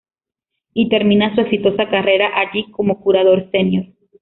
Y termina su exitosa carrera allí, como curador senior.